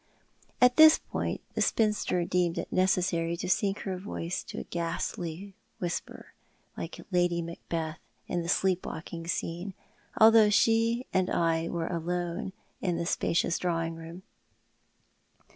At this point the spinster deemed it necessary to sink her voice to a ghastly whisper, like Lady Macbeth in the sleep walking scene, although she and I were alone in the spacious drawing room.